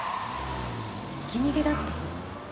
ひき逃げだったの。